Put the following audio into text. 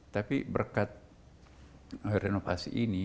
tapi berkat renovasi ini